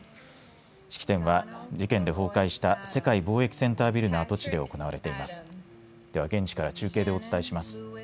式典は事件で崩壊した世界貿易センタービルで行われています。